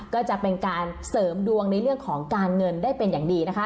ก็จะเป็นการเสริมดวงในเรื่องของการเงินได้เป็นอย่างดีนะคะ